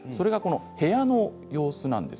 部屋の様子です。